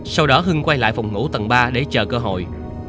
sau đó hưng quay lại phòng ngủ tầng ba để chờ cơ hội